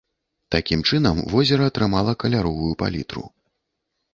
Такім чынам возера атрымала каляровую палітру.